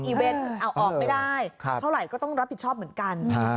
เอาออกไม่ได้เท่าไหร่ก็ต้องรับผิดชอบเหมือนกัน